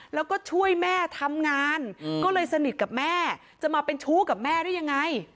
แล้วก็ช่วยแม่ทำงานก็เลยสนิทกับแม่จะมาเป็นชู้กับแม่ได้ยังไง